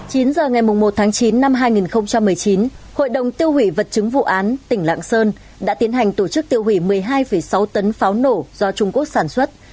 chín h ngày một tháng chín năm hai nghìn một mươi chín hội đồng tiêu hủy vật chứng vụ án tỉnh lạng sơn đã tiến hành tổ chức tiêu hủy một mươi hai sáu tấn pháo nổ do trung quốc sản xuất